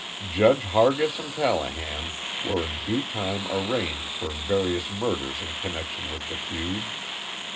Judge Hargis and Callahan were in due time arraigned for various murders in connection with the feud.